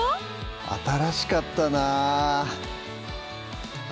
新しかったなあ